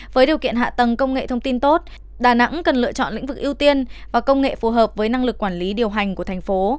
với điều kiện hạ tầng công nghệ thông tin tốt đà nẵng cần lựa chọn lĩnh vực ưu tiên và công nghệ phù hợp với năng lực quản lý điều hành của thành phố